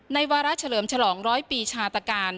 วาระเฉลิมฉลองร้อยปีชาตการ